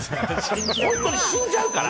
本当に死んじゃうから。